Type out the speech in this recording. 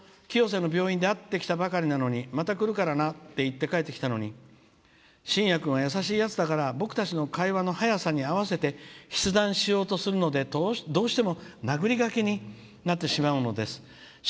２月２１日にさだ君と清瀬の病院で会ったばかりなのにまた来るからなって言って帰ってきたのにしんや君は優しいやつだから僕たちの会話の早さに合わせて、筆談しようとするので殴り書きになってしまうのです。